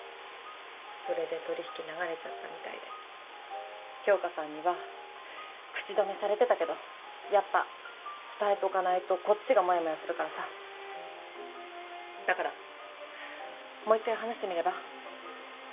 それで取引流れちゃったみたいで杏花さんには口止めされてたけどやっぱ伝えとかないとこっちがモヤモヤするからさだからもう一回話してみれば？